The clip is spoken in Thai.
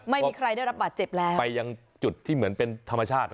ไม่มีใครได้รับบาดเจ็บแล้วไปยังจุดที่เหมือนเป็นธรรมชาติ